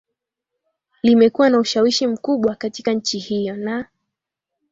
limekuwa na ushawishi mkubwa katika nchi hiyo na